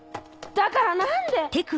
だから何で？